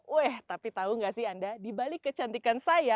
weh tapi tau gak sih anda dibalik kecantikan saya